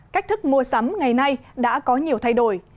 cách thức mua sắm ngày nay đã có nhiều thay đổi